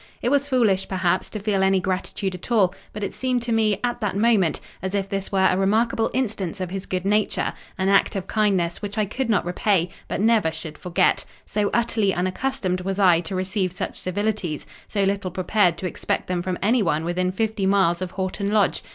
It was foolish, perhaps, to feel any gratitude at all; but it seemed to me, at that moment, as if this were a remarkable instance of his good nature: an act of kindness, which I could not repay, but never should forget: so utterly unaccustomed was I to receive such civilities, so little prepared to expect them from anyone within fifty miles of Horton Lodge.